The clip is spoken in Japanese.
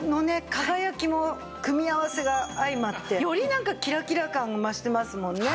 輝きも組み合わせが相まってよりなんかキラキラ感増してますもんね。